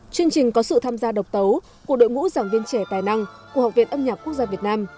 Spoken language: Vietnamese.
chương trình có sự tham gia độc tấu của đội ngũ giảng viên trẻ tài năng của học viện âm nhạc quốc gia việt nam